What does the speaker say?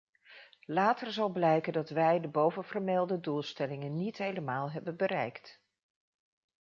Later zal blijken dat wij de bovenvermelde doelstellingen niet helemaal hebben bereikt.